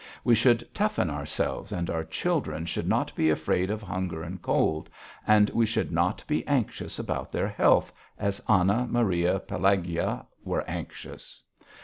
We should toughen ourselves and our children should not be afraid of hunger and cold, and we should not be anxious about their health, as Anna, Maria, Pelagueya were anxious.